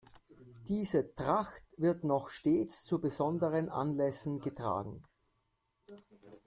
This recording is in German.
Diese Tracht wird noch stets zu besonderen Anlässen getragen.